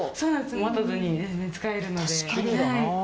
待たずに全然使えるので。